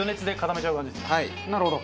なるほど。